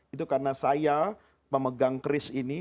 itu karena saya memegang keris ini